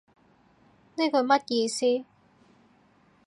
呢句乜意思